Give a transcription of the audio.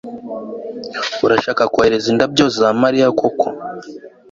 Urashaka kohereza indabyo za Mariya koko